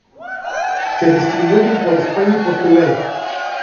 Se distribuyen por España y Portugal.